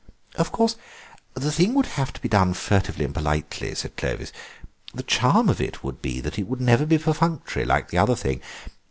"Of course the thing would have to be done furtively and politely," said Clovis; "the charm of it would be that it would never be perfunctory like the other thing.